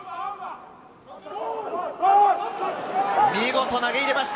見事、投げれました。